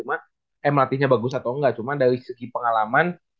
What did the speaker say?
melatihnya bagus atau enggak cuma dari segi pengalaman